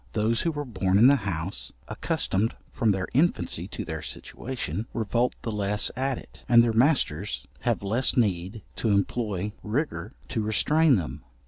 Those who were born in the house, accustomed from their infancy to their situation, revolt the less at it, and their masters have less need to employ rigour to restrain them.